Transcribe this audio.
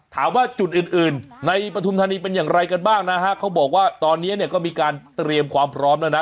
ถามว่าจุดอื่นอื่นในปฐุมธานีเป็นอย่างไรกันบ้างนะฮะเขาบอกว่าตอนนี้เนี่ยก็มีการเตรียมความพร้อมแล้วนะ